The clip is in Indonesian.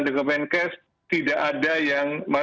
dgpencast tidak ada yang